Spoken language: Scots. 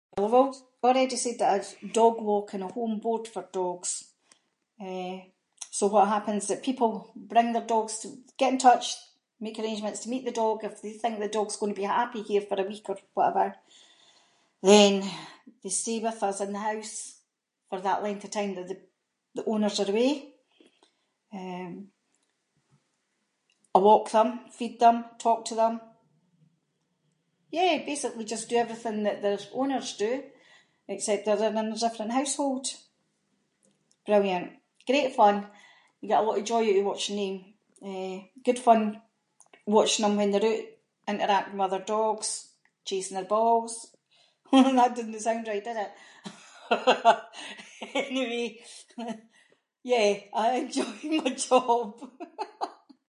[inc] already said that I- that I dog walk and I home-board for dogs, eh, so what happens is people bring their dogs to- get in touch, make arrangements to meet the dog, if they think the dog’s going to be happy here for a week or whatever, then they stay with us in the house for that length of time that the- the owners are away. Eh, I walk them, feed them, talk to them. Yeah, basically just do everything that their owners do, except that they’re in a different household. Brilliant, great fun, you get a lot of joy oot of watching them. Eh, good fun watching them when they’re oot interacting with other dogs, chasing their balls, that didnae sound right did it. Anyway, yeah I enjoy my job.